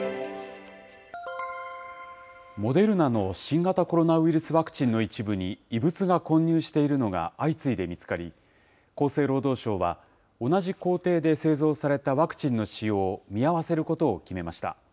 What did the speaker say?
モデルナの新型コロナウイルスワクチンの一部に、異物が混入しているのが相次いで見つかり、厚生労働省は、同じ工程で製造されたワクチンの使用を見合わせることを決めました。